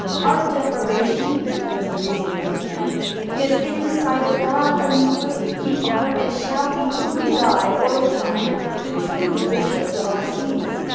"Our deprivation," such was the reasoning of Ken, "is, in the sight of God, a nullity. We are, and shall be, till we die or resign, the true Bishops of our sees.